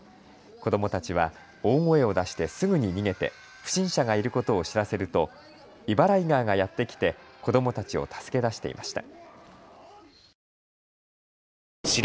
子どもたちは大声を出してすぐに逃げて不審者がいることを知らせるとイバライガーがやって来て子どもたちを助け出していました。